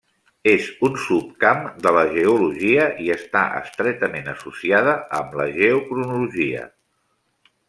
És un subcamp de la geologia i està estretament associada amb la geocronologia.